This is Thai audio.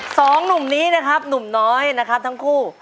สองหนุ่มนี้นะครับหนุ่มน้อยนะครับทั้งคู่